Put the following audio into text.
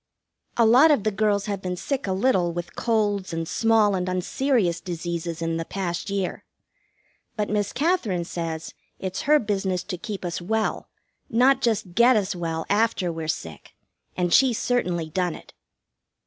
A lot of the girls have been sick a little with colds and small and unserious diseases in the past year. But Miss Katherine says it's her business to keep us well, not just get us well after we're sick, and she's certainly done it.